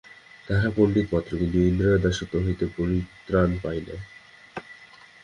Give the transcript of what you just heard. তাহারা পণ্ডিত মাত্র, কিন্তু ইন্দ্রিয়ের দাসত্ব হইতে পরিত্রাণ পায় নাই।